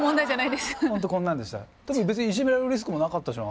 でも別にいじめられるリスクもなかったしな。